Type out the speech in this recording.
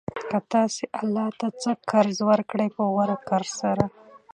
كه تاسي الله ته څه قرض ورکړئ په غوره قرض سره